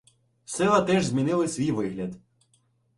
Села теж змінили свій вигляд.